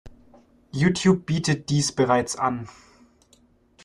Youtube bietet dies bereits an.